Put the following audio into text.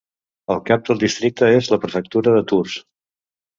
El cap del districte és la prefectura de Tours.